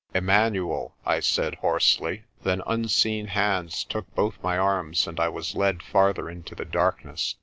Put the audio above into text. "Immanuel," I said hoarsely. Then unseen hands took both my arms and I was led farther into the darkness.